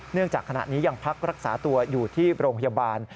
จากขณะนี้ยังพักรักษาตัวอยู่ที่โรงพยาบาล